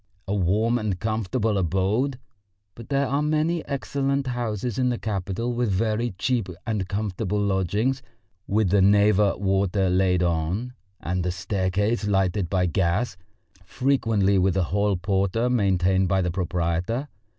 A warm and comfortable abode? But there are many excellent houses in the capital with very cheap and comfortable lodgings, with the Neva water laid on, and a staircase lighted by gas, frequently with a hall porter maintained by the proprietor.